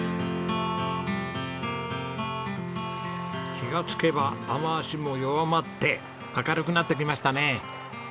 気がつけば雨脚も弱まって明るくなってきましたね。